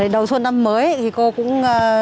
đầu xuân năm mới thì cô cũng